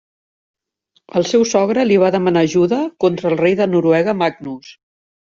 El seu sogre li va demanar ajuda contra el rei de Noruega Magnus.